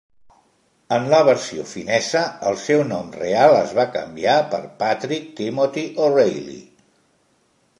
En la versió finesa, el seu nom real es va canviar per Patrick Timothy O'Ralley.